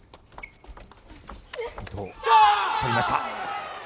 伊藤、取りました！